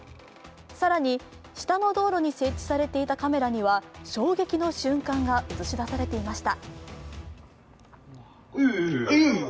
更に下の道路に設置されていたカメラには衝撃の瞬間が映し出されていました。